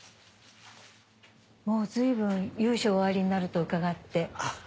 もう随分由緒おありになると伺って。